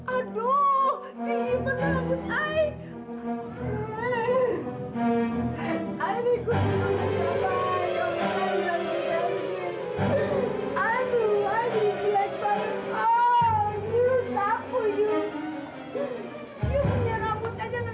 aduh tinggi bener rambut i